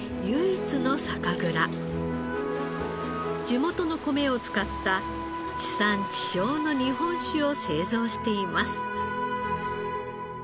地元の米を使った地産地消の日本酒を製造しています。